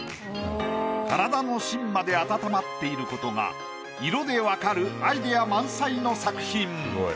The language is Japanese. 体のしんまで温まっていることが色で分かるアイデア満載の作品。